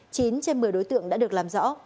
chín trên một mươi đối tượng đã được làm rõ